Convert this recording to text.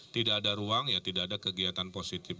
tidak ada ruang ya tidak ada kegiatan positif